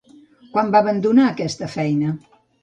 Quan va abandonar aquesta feina?